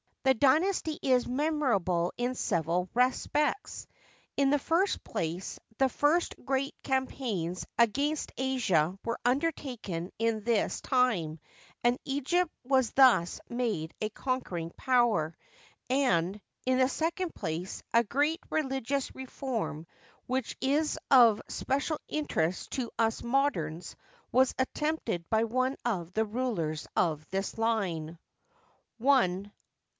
The dynasty is memorable in several respects. In the first place, the first great campaigns against Asia were undertaken in this time, and Egypt was thus made a conquering power ; and, in the second place, a great religious reform, which is of special interest to us modems, was attempted by one of the rulers of this line. § I.